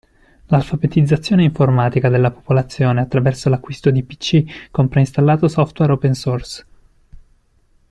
L'alfabetizzazione informatica della popolazione attraverso l'acquisto di pc con preinstallato software open source.